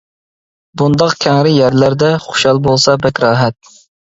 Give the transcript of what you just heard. بۇنداق كەڭرى يەرلەردە، خۇشال بولسا بەك راھەت.